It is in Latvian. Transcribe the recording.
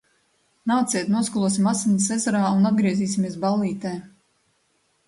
Nāciet, noskalosim asinis ezerā un atgriezīsimies ballītē!